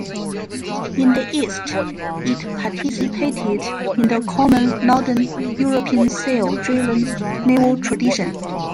In the east it participated in the common northern European sail-driven naval tradition.